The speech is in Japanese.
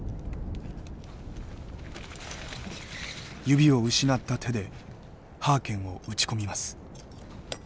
指を失った手でハーケンを打ち込みます。